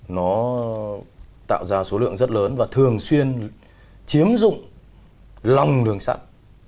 nó tạo ra số lượng rất lớn và thường xuyên chiếm dụng lòng đường sắt